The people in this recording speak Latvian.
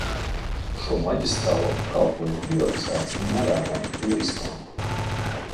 Šo maģistrālo pakalpojumu privatizācija ir nevēlama un riskanta.